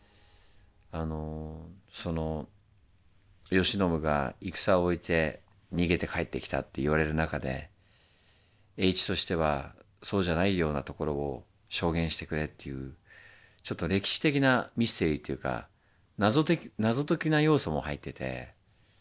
あのその慶喜が戦を終えて逃げて帰ってきたって言われる中で栄一としてはそうじゃないようなところを証言してくれっていうちょっと歴史的なミステリーっていうか謎解きな要素も入ってて。